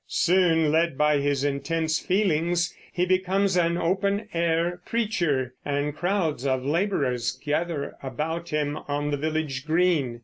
Soon, led by his intense feelings, he becomes an open air preacher, and crowds of laborers gather about him on the village green.